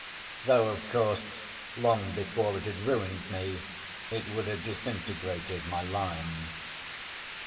Though of course long before it had ruined me, it would have disintegrated my line.